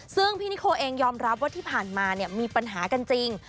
ซึ่งพี่นิโคเองยอมรับว่าที่ผ่านมามีปัญหากันจริง